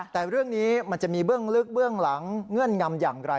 แต่เรื่องนี้มันจะมีเบื้องลึกเบื้องหลังเงื่อนงำอย่างไร